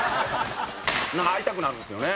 会いたくなるんですよね。